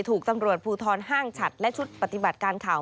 ถูกตำรวจภูทรห้างฉัดและชุดปฏิบัติการข่าว